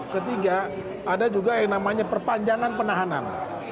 ketiga ada juga yang namanya perpanjangan penahanan